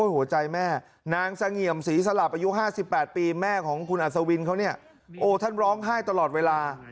หัวใจแม่นางเสงี่ยมศรีสลับอายุ๕๘ปีแม่ของคุณอัศวินเขาเนี่ยโอ้ท่านร้องไห้ตลอดเวลา